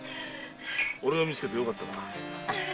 俺が見つけてよかったな。